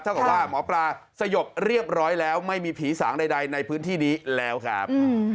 กับว่าหมอปลาสยบเรียบร้อยแล้วไม่มีผีสางใดในพื้นที่นี้แล้วครับ